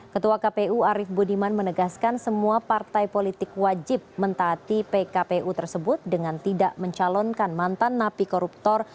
ketua kpu arief budiman menegaskan semua partai politik wajib mentaati pkpu tersebut dengan tidak mencalonkan mantan napi koruptor